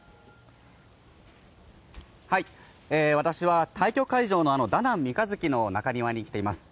私は対局会場のダナン三日月の中庭に来ています。